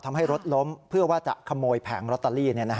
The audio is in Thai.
ทำให้รถล้มเพื่อว่าจะขโมยแผงลอตเตอรี่